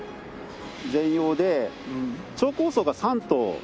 全容で超高層が３棟。